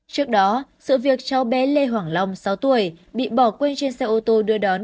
trước đó sự việc cháu bé lê hoàng long sáu tuổi bị bỏ quên trên xe ô tô đưa đón